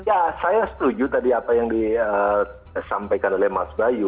ya saya setuju tadi apa yang disampaikan oleh mas bayu